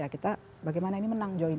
kita bagaimana ini menang join